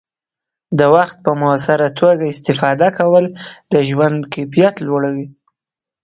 د وخت په مؤثره توګه استفاده کول د ژوند کیفیت لوړوي.